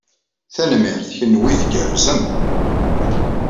Tanemmirt, kenwi tgerrzem!